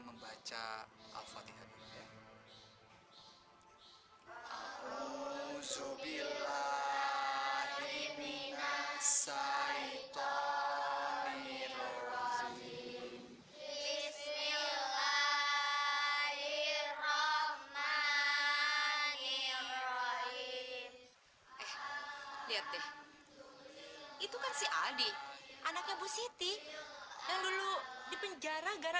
sampai jumpa di video selanjutnya